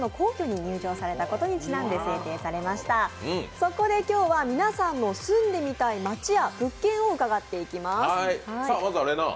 そこで今日は皆さんの住んでみたい街や物件を伺っていきます。